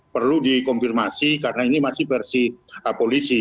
perlu dikonfirmasi karena ini masih versi polisi